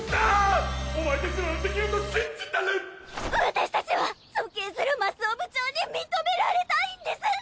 私たちは尊敬するマスオ部長に認められたいんです！